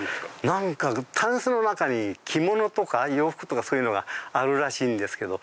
なんかタンスの中に着物とか洋服とかそういうのがあるらしいんですけど。